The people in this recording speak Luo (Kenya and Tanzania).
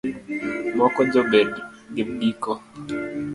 moko jobedo gi giko?